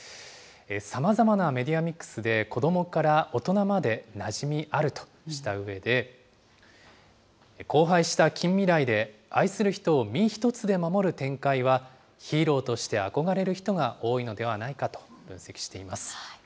さまざまなメディアミックスで子どもから大人までなじみあるとしたうえで、荒廃した近未来で愛する人を身一つで守る展開は、ヒーローとして憧れる人が多いのではないかと分析しています。